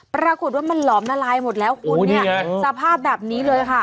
ปรากฏว่ามันหลอมละลายหมดแล้วคุณเนี่ยสภาพแบบนี้เลยค่ะ